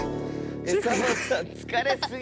サボさんつかれすぎ！